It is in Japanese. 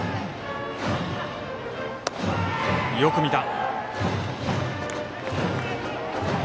よく見た。